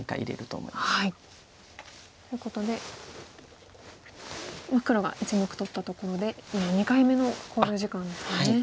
ということで黒が１目取ったところで今２回目の考慮時間ですね。